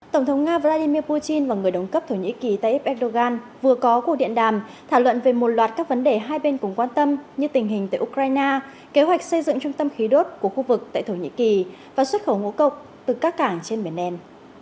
tổng thống nga vladimir putin và người đồng cấp thổ nhĩ kỳ tayyip erdogan vừa có cuộc điện đàm thảo luận về một loạt các vấn đề hai bên cùng quan tâm như tình hình tại ukraine kế hoạch xây dựng trung tâm khí đốt của khu vực tại thổ nhĩ kỳ và xuất khẩu ngũ cộc từ các cảng trên biển đen